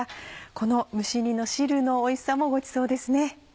この蒸し煮の汁のおいしさもごちそうですね。